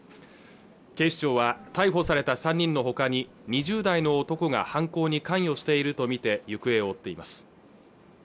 警視庁は逮捕された３人のほかに２０代の男が犯行に関与しているとみて行方を追っています